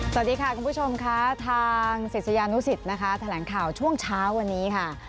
สวัสดีค่ะคุณผู้ชมค่ะทางศิษยานุสิตนะคะแถลงข่าวช่วงเช้าวันนี้ค่ะ